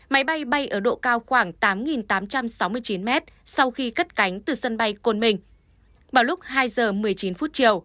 máy bay bay ở độ cao khoảng tám tám trăm sáu mươi chín mét